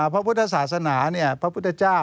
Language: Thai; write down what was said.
พระพุทธศาสนาพระพุทธเจ้า